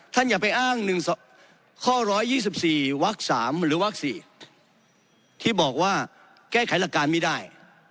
อย่าไปอ้าง๑ข้อ๑๒๔วัก๓หรือวัก๔ที่บอกว่าแก้ไขหลักการไม่ได้